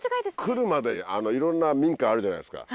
来るまでにいろんな民家あるじゃないですか。